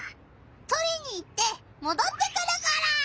とりに行ってもどってくるから！